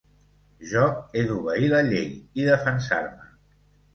Jo he d'obeir la llei i defensar-me.